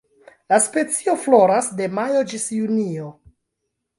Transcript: La specio floras de majo ĝis junio.